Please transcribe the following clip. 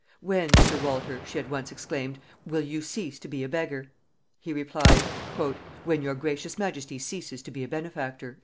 "When, sir Walter," she had once exclaimed, "will you cease to be a beggar?" He replied, "When your gracious majesty ceases to be a benefactor."